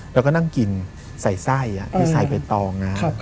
แล้วก็นั่งกินใส่ไส้อ่ะใส่ไปต่องาน